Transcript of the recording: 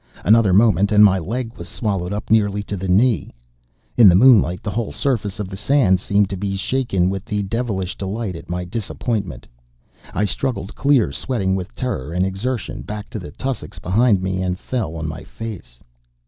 Another moment and my leg was swallowed up nearly to the knee. In the moonlight the whole surface of the sand seemed to be shaken with devilish delight at my disappointment. I struggled clear, sweating with terror and exertion, back to the tussocks behind me and fell on my face.